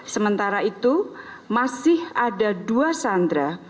sementara itu masih ada dua sandera